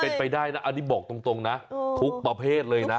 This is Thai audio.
เป็นไปได้นะอันนี้บอกตรงนะทุกประเภทเลยนะ